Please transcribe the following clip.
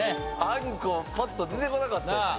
「あんこ」パッと出てこなかったです。